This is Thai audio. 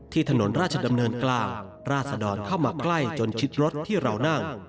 ถนนราชดำเนินกลางราศดรเข้ามาใกล้จนชิดรถที่เรานั่ง